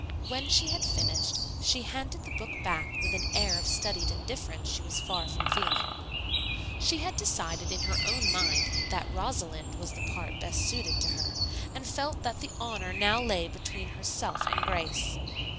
When she had finished she handed the book back with an air of studied indifference she was far from feeling. She had decided in her own mind that Rosalind was the part best suited to her, and felt that the honor now lay between herself and Grace.